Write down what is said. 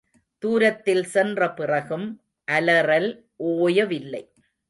தூரத்தில் சென்ற பிறகும் அலறல் ஓயவில்லை.